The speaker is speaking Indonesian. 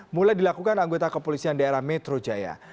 mulai dilakukan anggota kepolisian daerah metro jaya